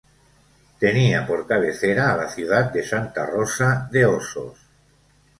Tenía por cabecera a la ciudad de Santa Rosa de Osos.